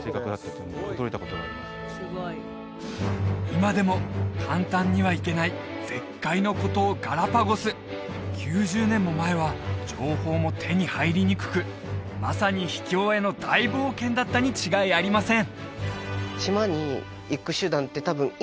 今でも簡単には行けない絶海の孤島９０年も前は情報も手に入りにくくまさに秘境への大冒険だったに違いありません